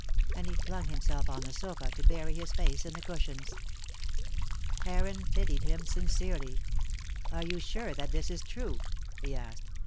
and he flung himself on the sofa to bury his face in the cushions. Heron pitied him sincerely. "Are you sure that this is true?" he asked.